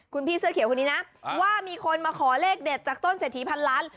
คุณพี่เสื้อเขียวคนนี้นะว่ามีคนมาขอเลขเด็ดจากต้นเศรษฐีพันล้าน